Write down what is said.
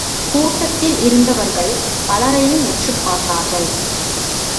கூட்டத்தில் இருந்தவர்கள் பலரையும் உற்றுப் பார்த்தார்கள்.